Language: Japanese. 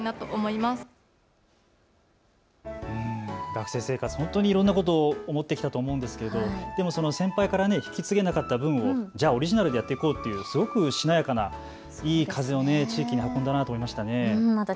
学生生活、本当にいろんなことを思ってきたと思うんですがでも先輩から引き継げなかった分を、じゃあオリジナルでやっていこうというすごくしなやかないい風を地域に運んだなと思いました。